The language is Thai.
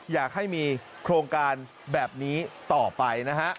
อยากให้มีโครงการแบบนี้ต่อไปนะฮะ